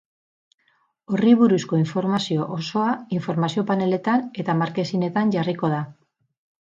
Horri buruzko informazio osoa informazio-paneletan eta markesinetan jarriko da.